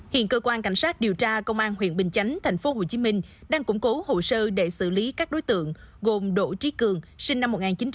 hiện cơ quan cảnh sát điều tra công an huyện bình chánh tp hcm đang củng cố hồ sơ để xử lý các đối tượng gồm đỗ trí cường sinh năm một nghìn chín trăm tám mươi